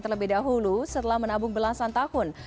terlebih dahulu setelah menabung belasan tahun